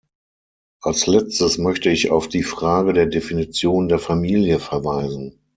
Als Letztes möchte ich auf die Frage der Definition der Familie verweisen.